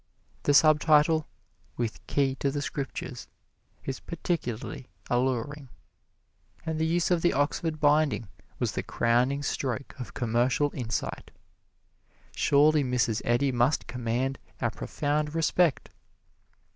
The sub title, "With Key to the Scriptures," is particularly alluring. And the use of the Oxford binding was the crowning stroke of commercial insight. Surely Mrs. Eddy must command our profound respect.